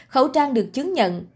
khẩu trang được chứng nhận